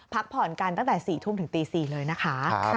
พักผ่อนกันตั้งแต่๔ทุ่มถึงตี๔เลยนะคะ